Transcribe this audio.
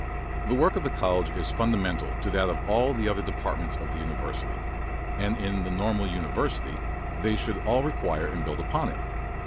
The work of the college is fundamental to that of all the other departments of the university, and in the normal university they should all require and build upon it.